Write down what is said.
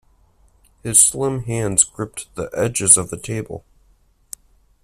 His slim hands gripped the edges of the table.